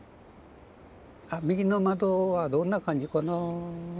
右の窓はどんな感じかな。